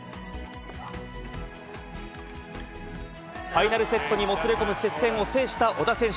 ファイナルセットにもつれ込む接戦を制した小田選手。